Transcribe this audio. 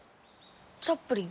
チャップリン。